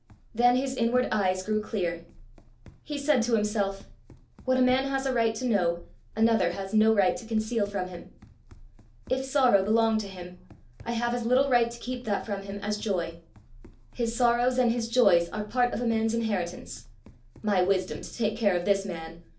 Then his inward eyes grew clear. He said to himself, "What a man has a right to know, another has no right to conceal from him. If sorrow belong to him, I have as little right to keep that from him as joy. His sorrows and his joys are part of a man's inheritance. My wisdom is to take care of this man!